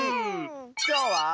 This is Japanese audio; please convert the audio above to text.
きょうは。